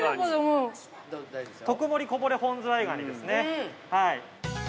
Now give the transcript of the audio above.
特盛こぼれ本ズワイガニですねはい。